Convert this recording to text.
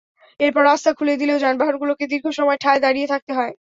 এরপর রাস্তা খুলে দিলেও যানবাহনগুলোকে দীর্ঘ সময় ঠায় দাঁড়িয়ে থাকতে হয়।